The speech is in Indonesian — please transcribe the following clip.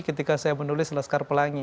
ketika saya menulis laskar pelangi